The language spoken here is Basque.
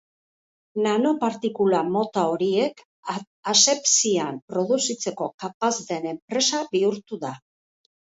Nanopartikula mota horiek asepsian produzitzeko kapaz den enpresa bihurtu da.